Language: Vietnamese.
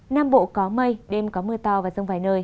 nam bộ có mây đêm có mưa to và rông vài nơi